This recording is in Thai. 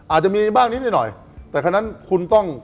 อาจจะมีบ้างนิดหน่อยแต่คนนั้นคุณต้อง